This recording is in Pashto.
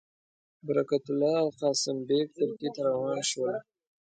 برکت الله او قاسم بېګ ترکیې ته روان شول.